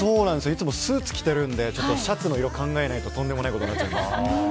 いつもスーツを着ているんでシャツの色、考えないととんでもないことになってます。